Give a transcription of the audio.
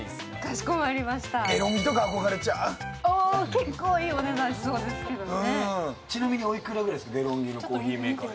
結構いいお値段しそうですけどね。